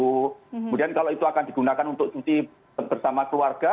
kemudian kalau itu akan digunakan untuk cuti bersama keluarga